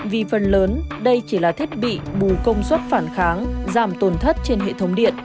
vì phần lớn đây chỉ là thiết bị bù công suất phản kháng giảm tổn thất trên hệ thống điện